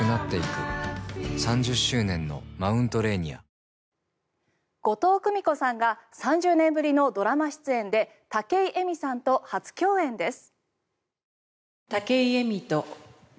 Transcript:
わぁ後藤久美子さんが３０年ぶりのドラマ出演で武井咲さんと初共演です。